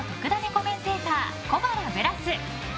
コメンテーター小原ブラス。